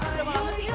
sudah lama sih